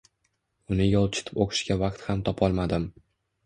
Uni yolchitib o‘qishga vaqt ham topolmadim.